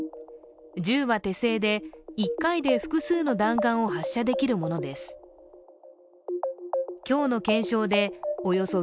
銃は手製で、１回で複数の弾丸を発射できるものです。